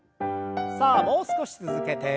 さあもう少し続けて。